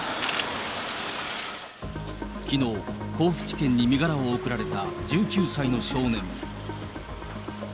きのう、甲府地検に身柄を送られた１９歳の少年。